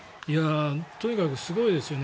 とにかくすごいですよね。